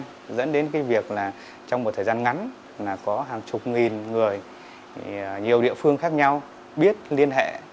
nó dẫn đến cái việc là trong một thời gian ngắn là có hàng chục nghìn người nhiều địa phương khác nhau biết liên hệ